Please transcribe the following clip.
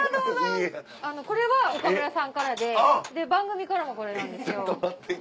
これは岡村さんからで番組からもこれなんですよ。